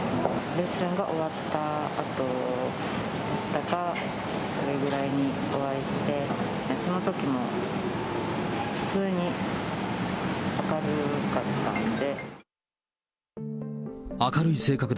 レッスンが終わったあとだったか、それぐらいにお会いして、そのときも普通に明るかったので。